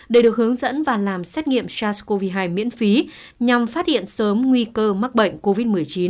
để được hướng dẫn và làm xét nghiệm sars cov hai miễn phí nhằm phát hiện sớm nguy cơ mắc bệnh covid một mươi chín